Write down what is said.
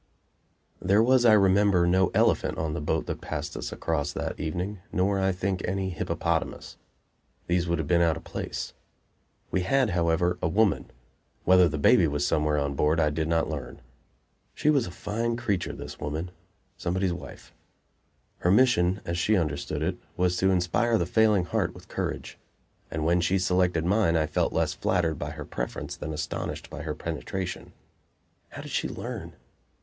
IV There was, I remember, no elephant on the boat that passed us across that evening, nor, I think, any hippopotamus. These would have been out of place. We had, however, a woman. Whether the baby was somewhere on board I did not learn. She was a fine creature, this woman; somebody's wife. Her mission, as she understood it, was to inspire the failing heart with courage; and when she selected mine I felt less flattered by her preference than astonished by her penetration. How did she learn?